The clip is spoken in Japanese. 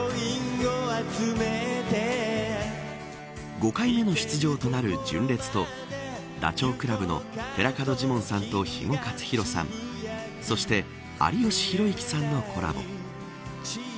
５回目の出場となる純烈とダチョウ倶楽部の寺門ジモンさんと肥後克広さんそして有吉弘行さんのコラボ。